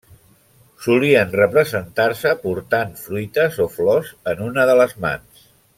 Solien representar-se portant fruites o flors en una de les mans.